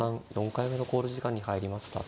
４回目の考慮時間に入りました。